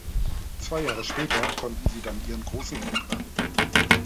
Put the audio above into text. Zwei Jahre später konnten sie dann ihren großen Coup landen.